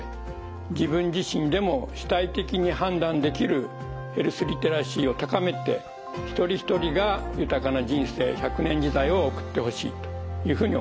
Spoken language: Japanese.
自分自身でも主体的に判断できるヘルスリテラシーを高めて一人一人が豊かな人生１００年時代を送ってほしいというふうに思います。